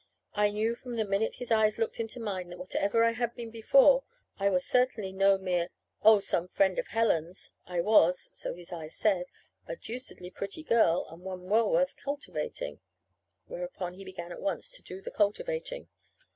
I knew from the minute his eyes looked into mine that whatever I had been before, I was now certainly no mere "Oh, some friend of Helen's." I was (so his eyes said) "a deucedly pretty girl, and one well worth cultivating." Whereupon he began at once to do the "cultivating."